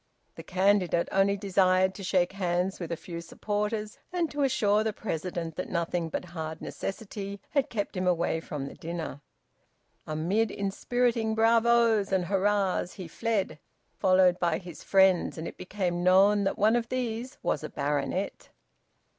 The candidate only desired to shake hands with a few supporters and to assure the President that nothing but hard necessity had kept him away from the dinner. Amid inspiriting bravos and hurrahs he fled, followed by his friends, and it became known that one of these was a baronet.